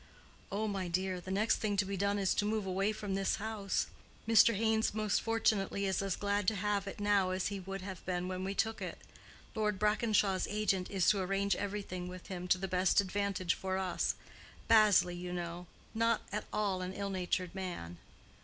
"Oh, my dear, the next thing to be done is to move away from this house. Mr. Haynes most fortunately is as glad to have it now as he would have been when we took it. Lord Brackenshaw's agent is to arrange everything with him to the best advantage for us: Bazley, you know; not at all an ill natured man."